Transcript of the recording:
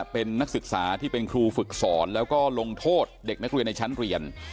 เป็นนักศึกษาที่เป็นครูฝึกสอนแล้วก็ลงโทษเด็กนักเรียนในชั้นเรียน